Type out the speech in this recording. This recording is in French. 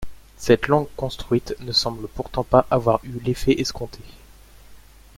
Cette langue construite ne semble pourtant pas avoir eu l'effet escompté.